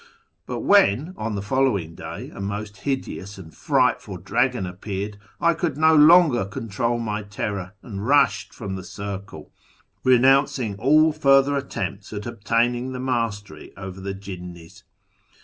But when, on the following day, a most hideous and frightful dragon ap peared, I could no longer control my terror, and rushed from the circle, renouncing all further attempts at obtaining the mastery over the jinnis.